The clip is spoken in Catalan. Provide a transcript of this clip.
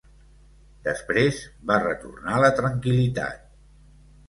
Després va retornar la tranquil·litat.